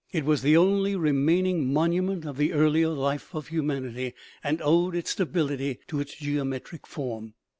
It was the only remaining monument of the earl ier life of humanity, and owed its stability to its geometric form.